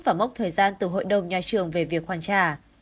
và mốc thời gian từ hội đồng nhà trường về việc hoàn trả